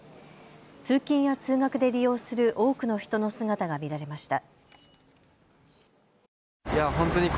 通勤や通学で利用する多くの人の姿が見られました。